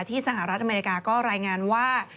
สหรัฐอเมริกาก็รายงานว่า